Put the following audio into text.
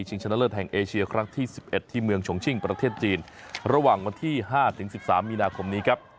ชนะเลิศแห่งเอเชียครั้งที่๑๑ที่เมืองชงชิ่งประเทศจีนระหว่างวันที่๕๑๓มีนาคมนี้ครับ